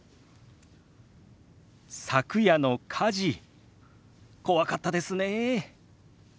「昨夜の火事怖かったですね」。